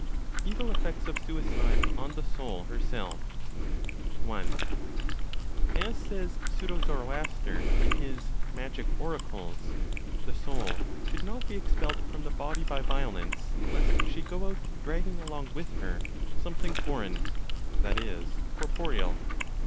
EVIL EFFECTS OF SUICIDE ON THE SOUL HERSELF. 1. (As says pseudo Zoroaster, in his Magic Oracles), "The soul should not be expelled from the body by violence, lest she go out (dragging along with her something foreign," that is, corporeal).